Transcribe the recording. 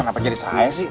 kenapa jadi saya sih